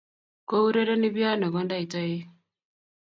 kourereni piano kondait toek